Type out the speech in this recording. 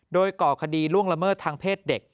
โดยก่อคดีล่วงละเมิดทางเพศเด็ก